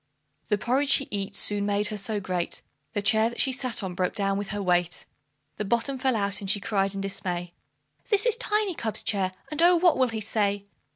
The porridge she eat soon made her so great, The chair that she sat on broke down with her weight; The bottom fell out, and she cried in dismay, "This is Tiny cub's chair, and oh, what will he say?